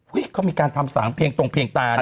เขามีการทำสางเพียงตรงเพียงตานะ